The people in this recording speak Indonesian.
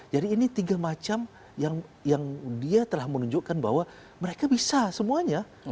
ini tiga macam yang dia telah menunjukkan bahwa mereka bisa semuanya